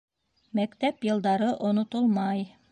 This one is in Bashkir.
Мәктәп йылдары онотолмай